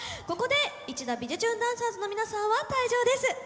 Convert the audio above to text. ここで一度「びじゅチューン！」ダンサーズの皆さんは退場です。